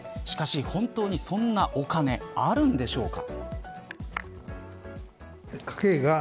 しかし、本当にそんなお金あるんでしょうか。